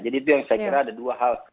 jadi itu yang saya kira ada dua hal